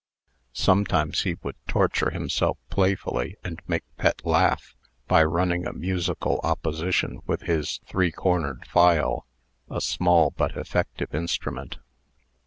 Sometimes he would torture himself playfully, and make Pet laugh, by running a musical opposition with his three cornered file a small but effective instrument.